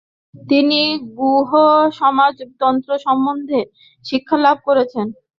তিনি গুহ্যসমাজতন্ত্র সম্বন্ধে শিক্ষালাভ করেন।